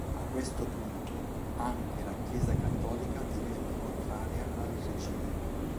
A questo punto, anche la Chiesa cattolica divenne contraria al regime.